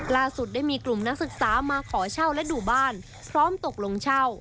ล่าสุดได้มีกลุ่มนักศึกษามาขอเช่าและดูบ้านพร้อมตกลงเช่า